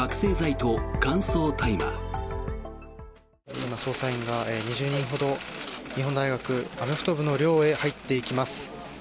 今、捜査員が２０人ほど日本大学アメフト部の寮へ入っていきます。